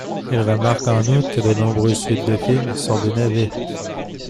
Il remarque en outre que de nombreuses suites de film sont des navets.